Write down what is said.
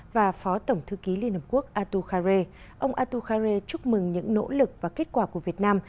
và phó tổng thư ký liên hợp quốc atu khare ông atu khare chúc mừng những nỗ lực và kết quả của việt nam